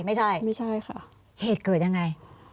ไม่ใช่ไม่ใช่ค่ะเหตุเกิดยังไง